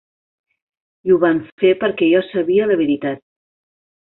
I ho van fer perquè jo sabia la veritat.